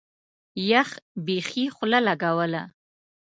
يخ بيخي خوله لګوله.